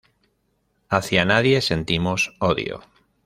Hacia nadie sentimos odio.